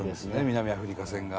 南アフリカ戦が。